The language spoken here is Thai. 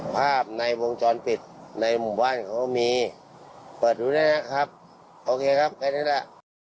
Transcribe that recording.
ภาพในวงจรปิดในหมู่บ้านเขามีเปิดดูได้นะครับโอเคครับแค่นี้แหละ